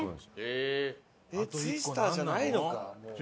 えっツイスターじゃないのかもう。